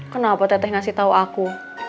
kenapa teteh ngasih tahu aku